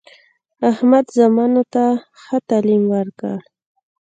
احمد زامنو ته ښه تعلیم وکړ.